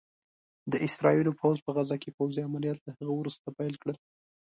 د اسرائيلو پوځ په غزه کې پوځي عمليات له هغه وروسته پيل کړل